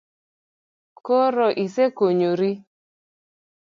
Koro isekonyori?